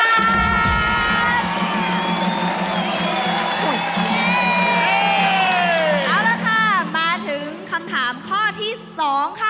เอาละค่ะมาถึงคำถามข้อที่๒ค่ะ